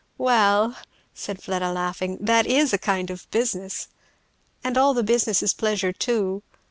"Well," said Fleda laughing, "that is a kind of business; and all the business is pleasure too.